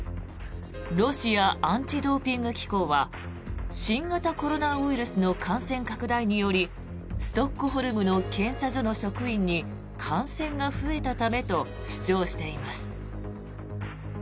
ロシア・アンチ・ドーピング機構は新型コロナウイルスの感染拡大によりストックホルムの検査所の職員に感染が増えたためだと主張しています。